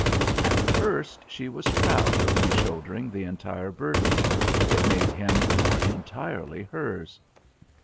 At first she was proud of reshouldering the entire burden; it made him more entirely hers.